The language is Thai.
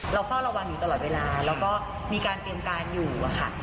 เฝ้าระวังอยู่ตลอดเวลาแล้วก็มีการเตรียมการอยู่อะค่ะ